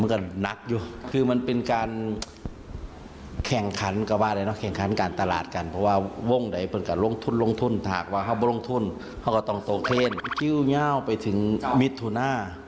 ก็ต้องตกเทนจิ้วเง่าไปถึงมิตรธุนา